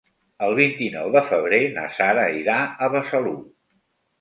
El vint-i-nou de febrer na Sara irà a Besalú.